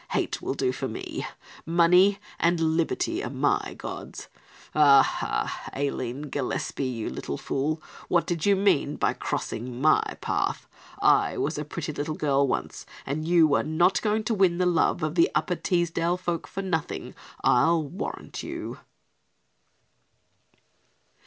Hate will do for me, money and liberty are my gods. "Aha, Aline Gillespie, you little fool, what do you mean by crossing my path? I was a pretty little girl once and you are not going to win the love of Upper Teesdale folk for nothing, I'll warrant you."